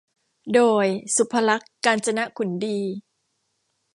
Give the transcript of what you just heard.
โดย สุภลักษณ์ กาญจนขุนดี